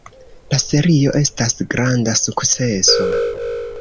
La serio estas granda sukceso.